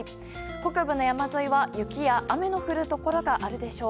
北部の山沿いは雪や雨の降るところがあるでしょう。